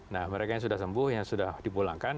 nah mereka yang sudah sembuh yang sudah dipulangkan